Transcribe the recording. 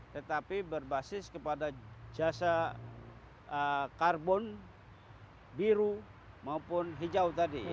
tetapi berbasis kepada jasa karbon biru maupun hijau tadi